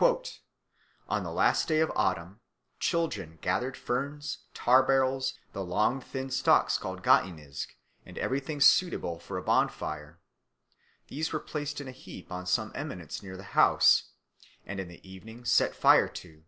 "On the last day of autumn children gathered ferns, tar barrels, the long thin stalks called gàinisg, and everything suitable for a bonfire. These were placed in a heap on some eminence near the house, and in the evening set fire to.